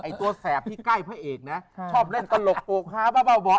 ไอ้ตัวแสบที่ใกล้พระเอกนะชอบเล่นตลกโปรคฮะบ้าบ้าบอก